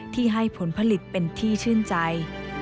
ที่ให้ผลผลิตเป็นที่ชื่นใจ